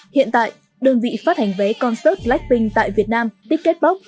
hiện tại đơn vị phát hành vé con sốt blackpink tại việt nam ticketbox